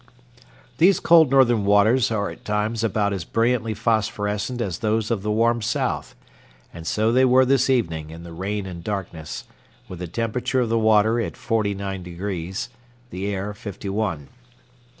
These cold northern waters are at times about as brilliantly phosphorescent as those of the warm South, and so they were this evening in the rain and darkness, with the temperature of the water at forty nine degrees, the air fifty one.